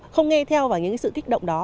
không nghe theo vào những sự kích động đó